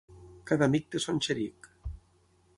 Cada amic té son xeric.